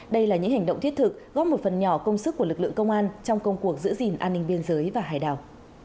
đây là những hành động thiết thực góp một phần nhỏ công sức của lực lượng công an trong công cuộc giữ gìn an ninh biên giới và hải đảo